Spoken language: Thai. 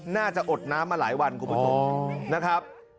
อดน้ำมาหลายวันคุณผู้ชมนะครับ